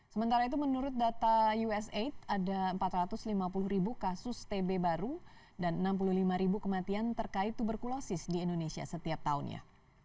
sementara itu menurut data usaid ada empat ratus lima puluh ribu kasus tb baru dan enam puluh lima ribu kematian terkait tuberkulosis di indonesia setiap tahunnya